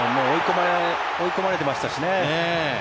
追い込まれてましたしね。